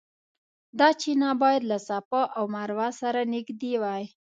دا چینه باید له صفا او مروه سره نږدې وای.